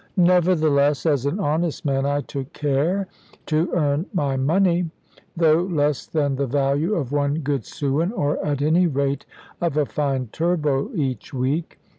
Nevertheless, as an honest man, I took good care to earn my money, though less than the value of one good sewin, or at any rate of a fine turbot, each week.